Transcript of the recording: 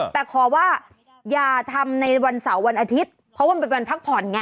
แต่ขอว่าอย่าทำในวันเสาร์วันอาทิตย์เพราะว่ามันเป็นวันพักผ่อนไง